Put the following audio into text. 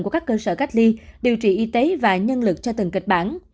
của các cơ sở cách ly điều trị y tế và nhân lực cho từng kịch bản